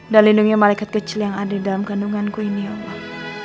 dan lindungi malaikat kecil yang ada di dalam kendunganku ini ya allah